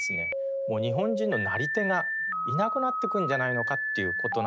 もう日本人のなり手がいなくなってくんじゃないのかということなんですよね。